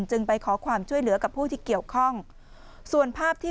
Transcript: ไปขอความช่วยเหลือกับผู้ที่เกี่ยวข้องส่วนภาพที่